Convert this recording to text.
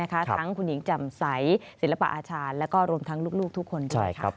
ทั้งคุณหญิงแจ่มใสศิลปะอาชาญแล้วก็รวมทั้งลูกทุกคนด้วย